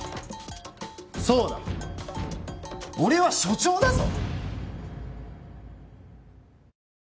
そうだ俺は署長だぞ！